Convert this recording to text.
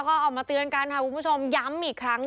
ก็ออกมาเตือนกันค่ะคุณผู้ชมย้ำอีกครั้ง